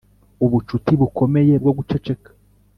ubucuti bukomeye bwo guceceka